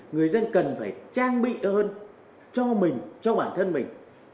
người dân cần phải trang bị hơn cho mình cho bản thân mình